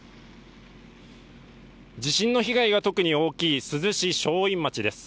地震の被害が特に大きい珠洲市です。